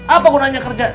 apa gunanya kerja